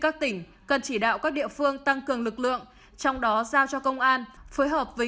các tỉnh cần chỉ đạo các địa phương tăng cường lực lượng trong đó giao cho công an phối hợp với